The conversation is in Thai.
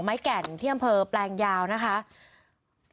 มีคนเสียชีวิตคุณ